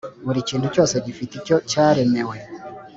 buri kintu cyose gifite icyo cyaremewe.